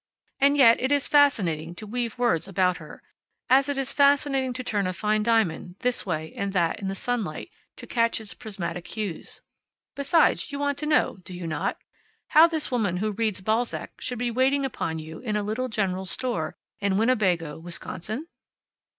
And yet it is fascinating to weave words about her, as it is fascinating to turn a fine diamond this way and that in the sunlight, to catch its prismatic hues. Besides, you want to know do you not? how this woman who reads Balzac should be waiting upon you in a little general store in Winnebago, Wisconsin?